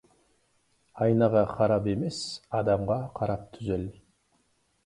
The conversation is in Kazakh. Айнаға қарап емес, адамға қарап түзел.